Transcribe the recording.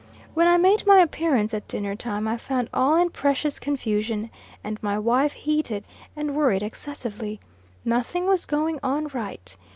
When I made my appearance at dinner time, I found all in precious confusion, and my wife heated and worried excessively. Nothing was going on right.